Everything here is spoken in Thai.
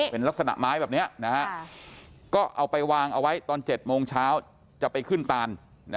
เป็นลักษณะไม้แบบนี้ก็เอาไปวางเอาไว้ตอน๗โมงเช้าจะไปขึ้นตาน